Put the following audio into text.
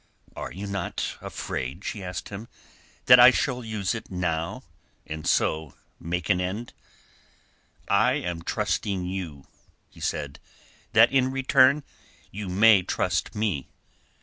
"Are you not afraid," she asked him, "that I shall use it now, and so make an end?" "I am trusting you," he said, "that in return you may trust me.